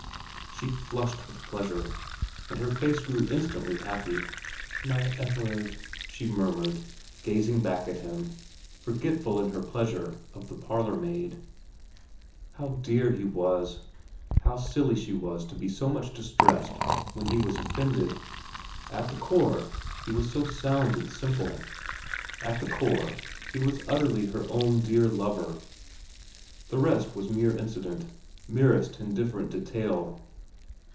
She flushed with pleasure, and her face grew instantly happy. ' My Everard,' she murmured, gazing back at him, forgetful in her pleasure of the parlourmaid. How 183 184 VERA xvn dear he was. How silly she was to be so much distressed when he was offended. At the core he was so sound and simple. At the core he was utterly her own dear lover. The rest was mere incident, merest indifferent detail.